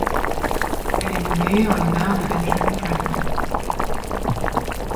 Elle est nommée en l'honneur de Benjamin Franklin.